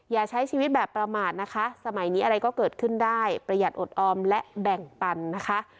อย่าใช้ชีวิตแบบประมาทนะคะสมัยนี้อะไรก็เกิดขึ้นได้ประหยัดอดออมและแบ่งปันนะคะ